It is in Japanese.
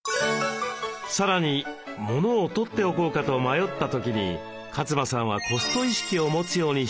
さらにモノをとっておこうかと迷った時に勝間さんはコスト意識を持つようにしたといいます。